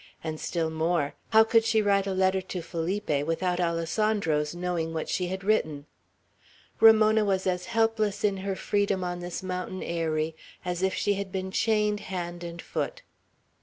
And, still more, how could she send a letter to Felipe without Alessandro's knowing what she had written? Ramona was as helpless in her freedom on this mountain eyrie as if she had been chained hand and foot.